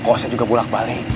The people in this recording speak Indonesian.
kok saya juga bolak balik